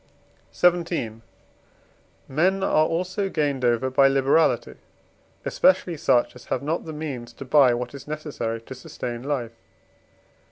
XVII. Men are also gained over by liberality, especially such as have not the means to buy what is necessary to sustain life.